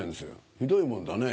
ひどいもんだね。